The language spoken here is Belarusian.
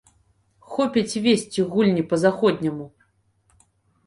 Хопіць весці гульні па-заходняму.